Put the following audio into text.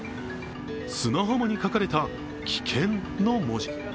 砂浜に書かれた「きけん」の文字。